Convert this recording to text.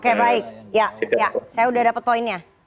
oke baik saya sudah dapat poinnya